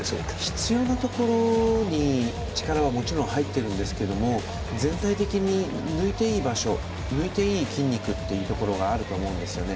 必要なところに、力はもちろん入ってるんですけど全体的に抜いていい場所抜いていい筋肉というところがあったと思うんですね。